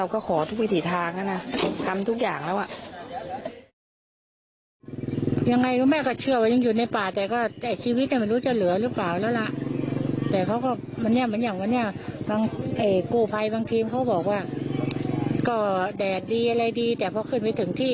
ก็แดดดีอะไรดีแต่พอขึ้นไปถึงที่